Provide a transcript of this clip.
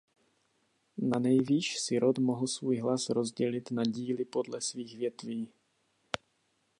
Nanejvýš si rod mohl svůj hlas rozdělit na díly podle svých větví.